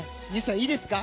いいですか？